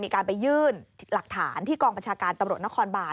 มีการไปยื่นหลักฐานที่กองประชาการตำรวจนครบาล